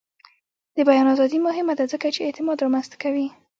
د بیان ازادي مهمه ده ځکه چې اعتماد رامنځته کوي.